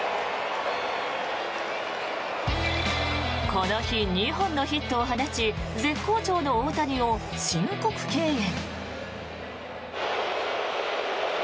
この日２本のヒットを放ち絶好調の大谷を申告敬遠。